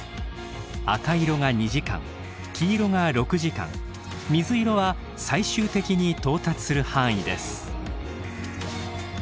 赤色が２時間黄色が６時間水色は最終的に到達する範囲です。